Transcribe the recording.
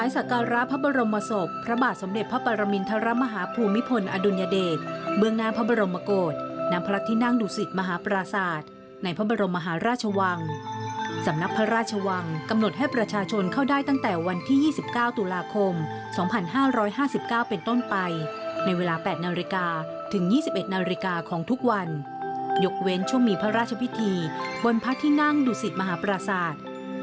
ยกเว้นช่วงหมีพระราชพิธีบนพระที่นั่งดูสิทธิ์มหาประสาท